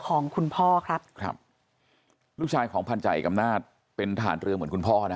ของคุณพ่อครับครับลูกชายของพันธาเอกอำนาจเป็นทหารเรือเหมือนคุณพ่อนะ